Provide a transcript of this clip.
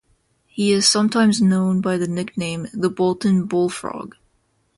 He is sometimes known by the nickname "The Bolton Bullfrog".